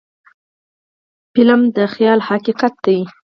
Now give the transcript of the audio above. فلم د خیال حقیقت دی